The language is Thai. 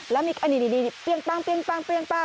แล้วมีอันนี้เปรี้ยงปั้ง